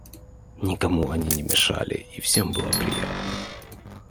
Никому они не мешали, и всем было приятно.